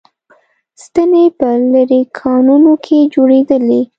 ستنې په لېرې کانونو کې جوړېدلې